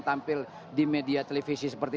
tampil di media televisi seperti